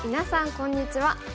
こんにちは。